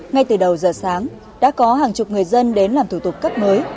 ngay từ đầu giờ sáng đã có hàng chục người dân đến làm thủ tục cấp mới